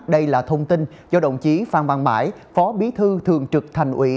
đây là thông tin do đồng chí phan văn mãi phó bí thư thường trực thành ủy